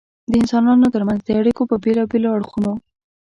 د انسانانو تر منځ د اړیکو په بېلابېلو اړخونو.